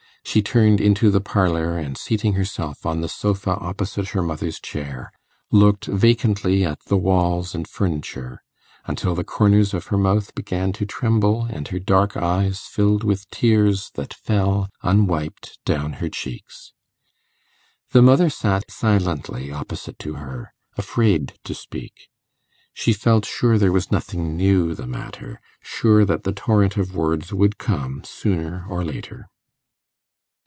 She turned into the parlour, and, seating herself on the sofa opposite her mother's chair, looked vacantly at the walls and furniture until the corners of her mouth began to tremble, and her dark eyes filled with tears that fell unwiped down her cheeks. The mother sat silently opposite to her, afraid to speak. She felt sure there was nothing new the matter sure that the torrent of words would come sooner or later.